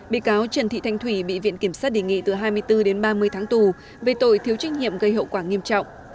bị cáo trần thị thanh thủy bị viện kiểm sát đề nghị từ hai mươi bốn đến ba mươi tháng tù về tội thiếu trách nhiệm gây hậu quả nghiêm trọng